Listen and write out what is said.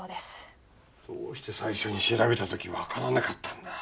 どうして最初に調べた時わからなかったんだ？